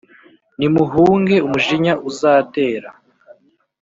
Nimuhunge umujinya uzatera